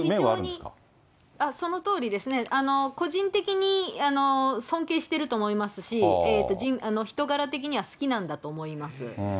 非常に、そのとおりですね、個人的に尊敬していると思いますし、人柄的には好きなんだと思います。